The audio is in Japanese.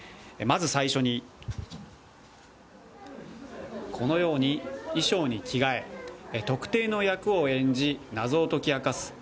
まず最初にこのように衣装に着替え、特定の役を演じ、謎を解き明かす